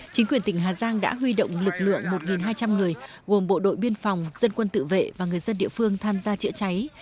chính quyền tỉnh hà giang đã huy động lực lượng một hai trăm linh người gồm bộ đội biên phòng dân quân tự vệ và người dân địa phương tham gia chữa cháy